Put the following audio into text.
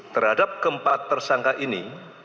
terhadap keempat tersangka ini